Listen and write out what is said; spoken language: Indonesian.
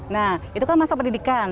nah itu kan masa pendidikan